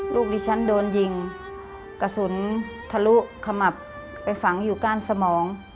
ลูกดิฉันโดนยิงกระสุนทะลุขมับไปฝังอยู่ก้านสมอง